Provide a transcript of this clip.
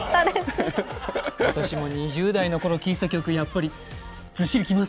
私も２０代の頃聴いていた曲、やっぱりずっしりきます。